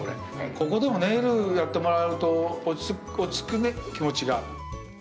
ここ、でも、ネイルやってもらうと、落ちつくね、気持ちが。